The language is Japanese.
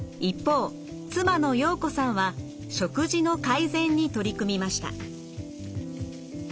一方妻の洋子さんは食事の改善に取り組みました。